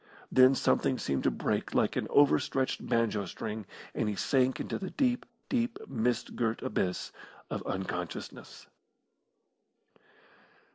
Then something seemed to break like an over stretched banjo string, and he sank into the deep, deep, mist girt abyss of unconsciousness.